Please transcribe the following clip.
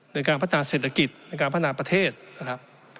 ในการพัฒนาเศรษฐกิจในการพัฒนาประเทศนะครับ